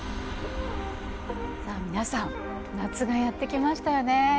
さあ皆さん夏がやって来ましたよね。